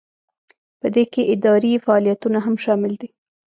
په دې کې اداري فعالیتونه هم شامل دي.